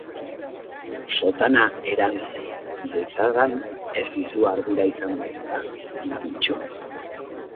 Sotana erantz dezadan ez dizu ardura izango, ezta, Gabintxo?